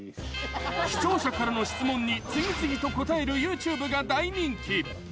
視聴者からの質問に次々と答えるＹｏｕＴｕｂｅが大人気！